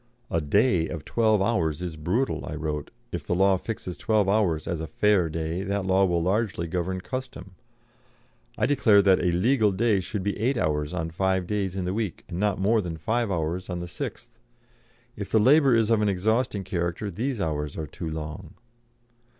"A 'day' of twelve hours is brutal," I wrote; "if the law fixes twelve hours as a 'fair day' that law will largely govern custom. I declare that a 'legal day' should be eight hours on five days in the week and not more than five hours on the sixth. If the labour is of an exhausting character these hours are too long."